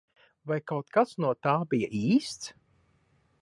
Vai kaut kas no tā bija īsts?